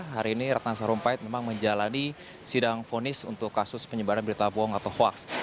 hari ini ratna sarumpait memang menjalani sidang fonis untuk kasus penyebaran berita bohong atau hoaks